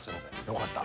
よかった。